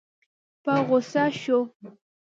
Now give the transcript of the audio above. په غوسه شو.